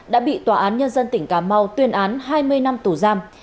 đã bị tòa án nhân dân tỉnh cà mau tuyên án hai mươi năm tù giam